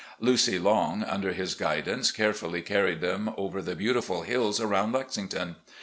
" Lucy Long, " under his guidance, carefully carried them over the beautiful hills aroimd Lexington.